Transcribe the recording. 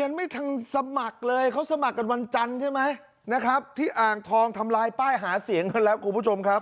ยังไม่ทันสมัครเลยเขาสมัครกันวันจันทร์ใช่ไหมนะครับที่อ่างทองทำลายป้ายหาเสียงกันแล้วคุณผู้ชมครับ